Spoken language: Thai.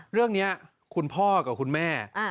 เรื่องนี้คุณพ่อกับคุณแม่